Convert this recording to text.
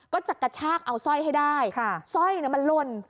กระชากเอาสร้อยให้ได้สร้อยมันหล่น